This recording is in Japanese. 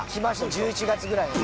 １１月ぐらいに。